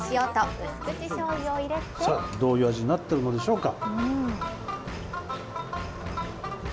さあ、どういう味になってるのでしょうか。